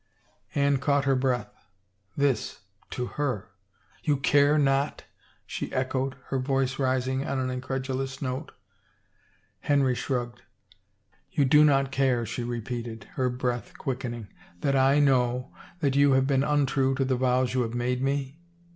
Anne caught her breath. This — to her! " You care not ?" she echoed, her voice rising on an incredulous note. Henry shrugged. " You do not care," she repeated, her breath quick ening, that I know that you have been untrue to the vows you have made me?